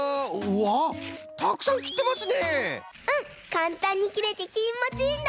かんたんにきれてきもちいいんだ！